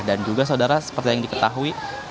dan juga saudara seperti yang diketahui